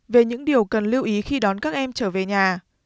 về những điều cần lưu ý khi đón các em trở về nhà